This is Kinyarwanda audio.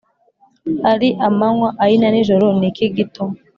ari amanywa ari na nijoro niki gito